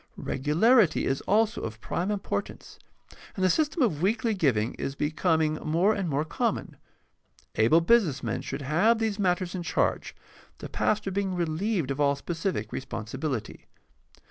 Regularity is also of prime importance, and the system of weekly givmg is be coming more and more common. Able business men should have these matters in charge, the pastor being reheved of all specific responsibility.